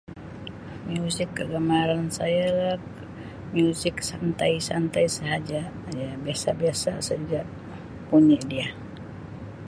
Muzik kegemaran saya ya lah muzik santai santai sahaja ya biasa biasa saja bunyi dia.